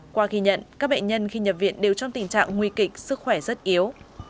qua ghi nhận các bệnh nhân khi nhập viện đều trong tình trạng nguy kịch sức khỏe rất yếu